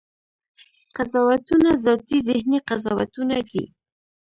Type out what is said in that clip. قضاوتونه ذاتي ذهني قضاوتونه دي.